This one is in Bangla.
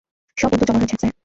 সব বন্দুক জমা হয়েছে, স্যার।